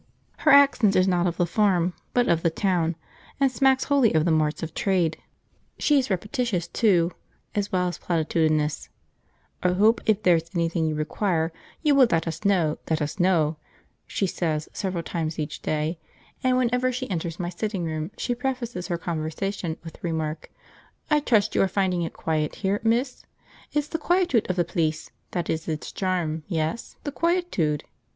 Her accent is not of the farm, but of the town, and smacks wholly of the marts of trade. She is repetitious, too, as well as platitudinous. "I 'ope if there's anythink you require you will let us know, let us know," she says several times each day; and whenever she enters my sitting room she prefaces her conversation with the remark: "I trust you are finding it quiet here, miss? It's the quietude of the plyce that is its charm, yes, the quietude.